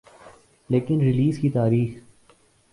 لیکن ریلیز کی تاریخ